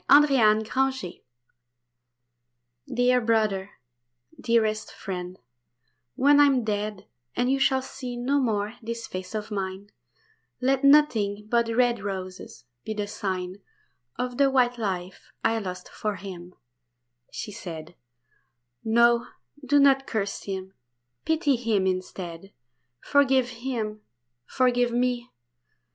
The Miracle "Dear brother, dearest friend, when I am dead, And you shall see no more this face of mine, Let nothing but red roses be the sign Of the white life I lost for him," she said; "No, do not curse him, pity him instead; Forgive him! forgive me!